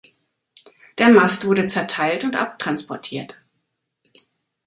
Der Mast wurde zerteilt und abtransportiert.